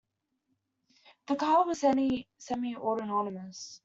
The car was semi-autonomous.